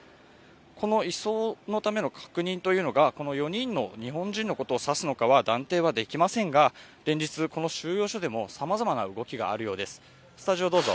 この移送のための確認というのが４人の日本人のことを差すのかは断定はできませんが、連日、この収容所でもさまざまな動きがあるそうです。